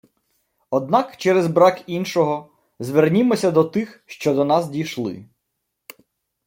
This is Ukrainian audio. Однак, через брак іншого, звернімося до тих, що до нас дійшли